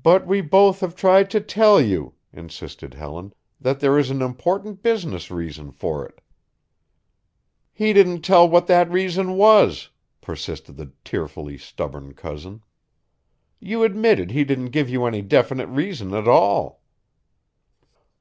"But we both have tried to tell you," insisted Helen, "that there is an important business reason for it." "He didn't tell what that reason was," persisted the tearfully stubborn cousin. "You admitted he didn't give you any definite reason at all."